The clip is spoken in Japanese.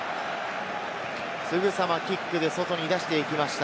すぐさまキックで外に出していきました。